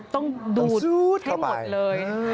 ต้องดูดให้หมดเลย